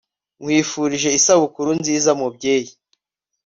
nkwifurije isabukuru nziza mubyeyi